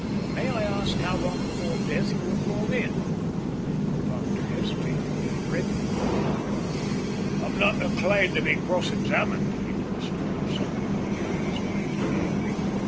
"May I ask how long before death you were called in?" The doctor hesitated. He reddened a little. "I'm not inclined to be cross examined," he burst out, suddenly making up his mind to be angry.